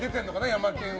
ヤマケンは。